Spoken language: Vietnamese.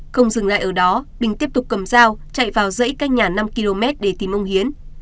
không dừng lại ở đó bình tiếp tục cầm dao chạy vào dãy cách nhà năm km để tìm ông hiến